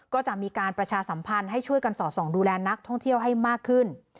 ก็จะมีการประชาสัมพันธ์ให้ช่วยกันสอดส่องดูแลนักท่องเที่ยวให้มากขึ้น